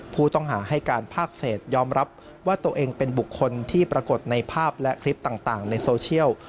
ผู้ต้องหาให้การภาคเศษยอมรับว่าตัวเองเป็นบุคคลที่ปรากฏในภาพและคลิปต่างในโซเชียล